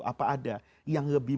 apa ada yang lebih